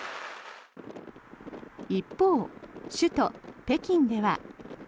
一方、首都・北京では。